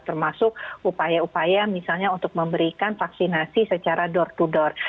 termasuk upaya upaya misalnya untuk memberikan vaksinasi secara door to door